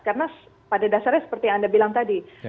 karena pada dasarnya seperti yang anda bilang tadi